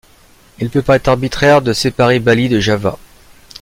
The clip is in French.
Il peut paraître arbitraire de séparer Bali de Java.